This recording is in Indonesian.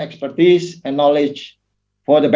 ekspertis dan pengetahuan mereka